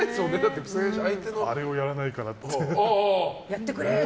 あれをやらないからって。